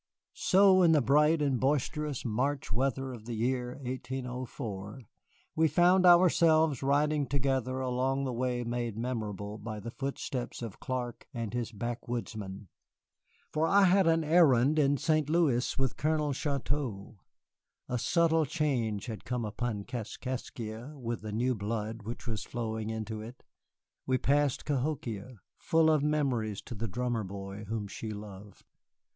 So, in the bright and boisterous March weather of the year 1804, we found ourselves riding together along the way made memorable by the footsteps of Clark and his backwoodsmen. For I had an errand in St. Louis with Colonel Chouteau. A subtle change had come upon Kaskaskia with the new blood which was flowing into it: we passed Cahokia, full of memories to the drummer boy whom she loved.